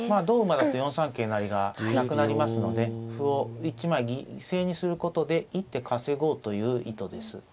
同馬だと４三成桂がなくなりますので歩を一枚犠牲にすることで一手稼ごうという意図です。